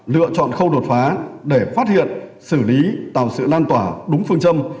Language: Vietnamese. lựa chọn khâu đột phá để phát hiện xử lý tạo sự lan tỏa đúng phương châm